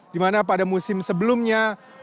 dimana pada musim sebelumnya